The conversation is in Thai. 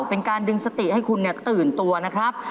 เป็นการดึงสติให้คุณตื่นตัวนะครับ